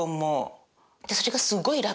それがすごい楽で。